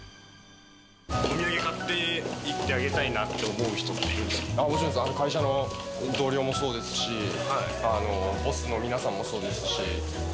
お土産買っていってあげたい会社の同僚もそうですし、ボスも皆さんもそうですし。